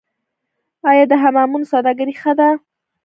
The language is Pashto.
آیا د حمامونو سوداګري ښه ده؟